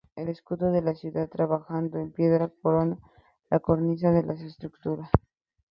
El escudo de la ciudad, trabajado en piedra, corona la cornisa de la estructura.